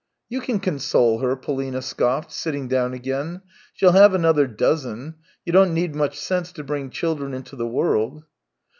" You can console her," Polina scoffed, sitting down again; " she'll have another dozen. You don't need much sense to bring children into the world."